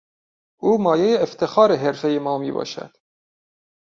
او مایهی افتخار حرفهی ما میباشد.